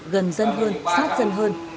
gần dân hơn sát dân hơn